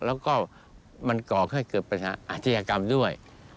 แล้วก็มันก่อให้เกิดปัญหาอาชญากรรมด้วย